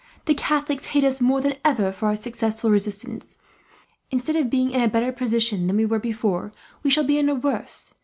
The Catholics hate us more than ever, for our successful resistance. Instead of being in a better position than we were before, we shall be in a worse.